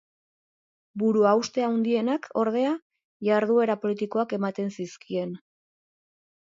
Buruhauste handienak, ordea, jarduera politikoak eman zizkien.